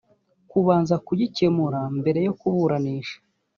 kubanza kugikemura mbere yo kuburanisha